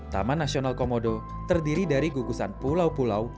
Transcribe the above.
taman nasional komodo terdiri dari gugusan pulau pulau